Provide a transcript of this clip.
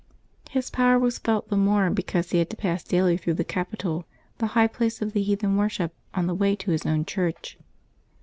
His power was felt the more because he had to pass daily through the capitol, the high place of the heathen worship, on the way to his own church.